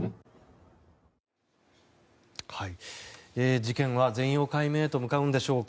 事件は全容解明へと向かうんでしょうか。